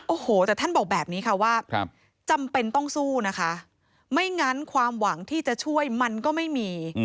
โอ้โหแต่ท่านบอกแบบนี้ค่ะว่าจำเป็นต้องสู้นะคะไม่งั้นความหวังที่จะช่วยมันก็ไม่มี